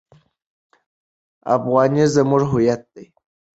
افغانۍ زموږ هویت دی.